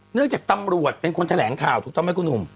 เนื่องจากตำรวจเป็นคนแถลงข่าวถูกต้องไหมคุณหนุ่ม